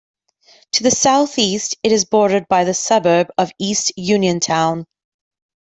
To the southeast it is bordered by the suburb of East Uniontown.